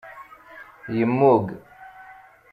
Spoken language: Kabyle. Yemmug.